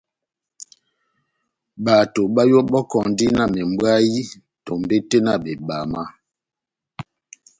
Bato bayɔbɔkɔndi na membwayï tombete na bebama.